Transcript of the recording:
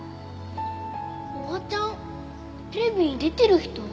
おばちゃんテレビに出てる人？